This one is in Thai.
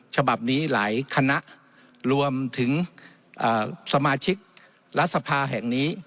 ฉบับนี้หลายคณะรวมถึงสมาชิกรัฐสภาแห่งนี้